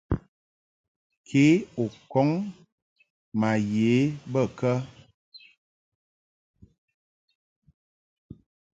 Ke u kɔŋ ma ye bə kə ?